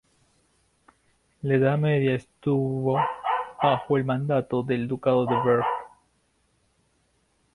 En la edad media estuvo bajo el mandato del Ducado de Berg.